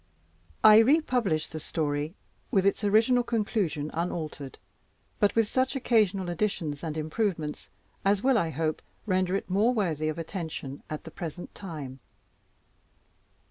I republish the story with its original conclusion unaltered, but with such occasional additions and improvements as will, I hope, render it more worthy of attention at the present time.